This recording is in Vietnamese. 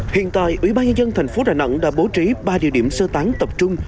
hiện tại ủy ban nhân dân thành phố đà nẵng đã bố trí ba địa điểm sơ tán tập trung